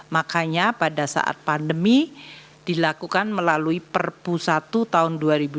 makanya pada saat pandemi dilakukan melalui perpu satu tahun dua ribu dua puluh